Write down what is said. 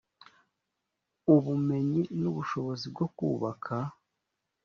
ubumenyi n ubushobozi bwo kubaka